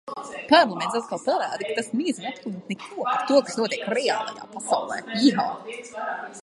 Parlaments atkal parāda, ka tas nezina absolūti neko par to, kas notiek reālajā pasaulē.